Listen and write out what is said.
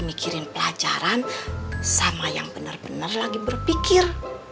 mikirin pelajaran sama yang bener bener lagi berpikir